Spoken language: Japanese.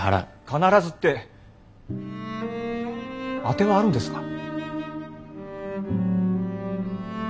「必ず」って当てはあるんですか？